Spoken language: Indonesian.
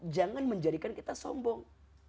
jangan menjadikan kita sombong